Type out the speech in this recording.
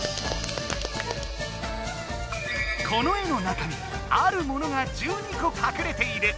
この絵の中にあるモノが１２個かくれている。